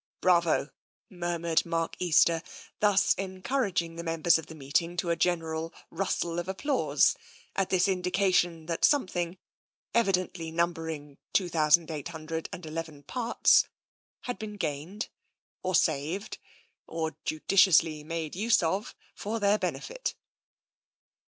" Bravo," murmured Mark Easter, thus encouraging 94 TENSION the members of the meeting to a general rustle of ap plause at this indication that something, evidently nimi bering two thousand eight hundred and eleven parts, had been gained, or saved, or judiciously made use of, for their benefit.